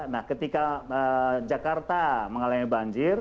nah ketika jakarta mengalami banjir